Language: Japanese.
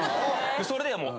それでもう。